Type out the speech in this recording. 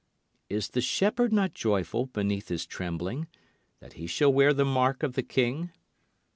Is the shepherd not joyful beneath his trembling, that he shall wear the mark of the king?